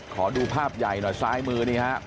ขอดูภาพใหญ่หน่อยซ้ายมือนี่ฮะ